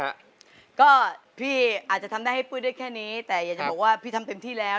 ก็พี่อาจจะทำได้ให้ปุ้ยได้แค่นี้แต่อยากจะบอกว่าพี่ทำเต็มที่แล้ว